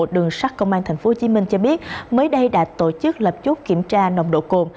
đường sắt công an tp hcm cho biết mới đây đã tổ chức lập chốt kiểm tra nồng độ cồn